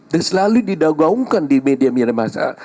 dan selalu didagaungkan di media media masa